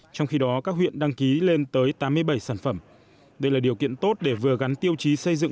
trong khi đó các huyện đăng ký lên tới tám mươi bảy sản phẩm đây là điều kiện tốt để vừa gắn tiêu chí xây dựng